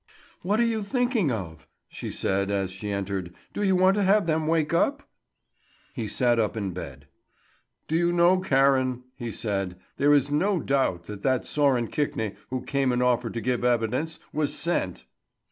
"What are you thinking of?" she said, as she entered. "Do you want to have them wake up?" He sat up in bed. "Do you know, Karen," he said, "there is no doubt that that Sören Kvikne, who came and offered to give evidence, was sent!"